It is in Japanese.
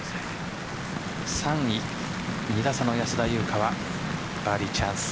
３位２打差の安田祐香はバーディーチャンス。